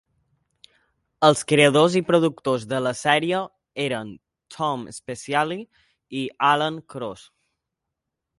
Els creadors i productors de la sèrie eren Tom Spezialy i Alan Cross.